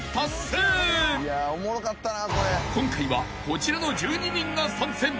［今回はこちらの１２人が参戦］